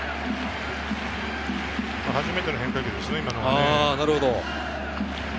初めての変化球ですね、今のが。